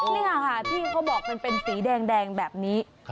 นี่ค่ะที่เขาบอกมันเป็นสีแดงแบบนี้